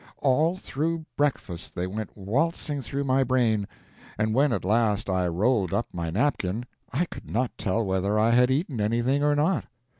All through breakfast they went waltzing through my brain; and when, at last, I rolled up my napkin, I could not tell whether I had eaten anything or not.